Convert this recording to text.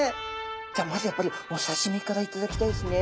じゃあまずやっぱりお刺身から頂きたいですね。